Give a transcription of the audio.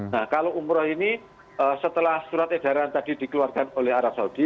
nah kalau umroh ini setelah surat edaran tadi dikeluarkan oleh arab saudi